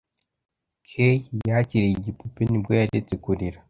Kay yakiriye igipupe ni bwo yaretse kurira.